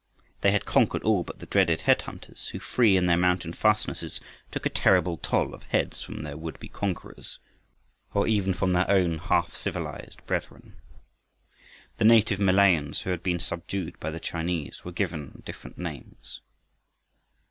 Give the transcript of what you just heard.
They had conquered all but the dreaded head hunters, who, free in their mountain fastnesses, took a terrible toll of heads from their would be conquerors, or even from their own half civilized brethren. The native Malayans who had been subdued by the Chinese were given different names.